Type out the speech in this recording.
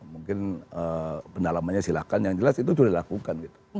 mungkin pendalamannya silahkan yang jelas itu sudah dilakukan gitu